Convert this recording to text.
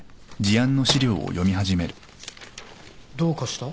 どうかした？